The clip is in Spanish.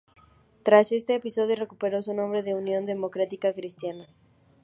Tras este episodio, recuperó su nombre de "Unión Demócrata Cristiana".